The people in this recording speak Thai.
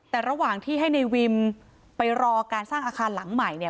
แต่ระหว่างที่ให้ในวิมไปรอการสร้างอาคารหลังใหม่เนี่ย